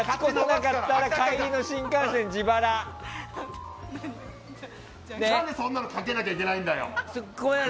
なんでそんなのかけなきゃいけないんだよ！